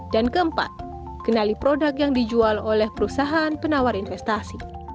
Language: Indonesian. dan keempat kenali produk yang dijual oleh perusahaan penawar investasi